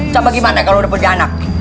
coba gimana kalau udah punya anak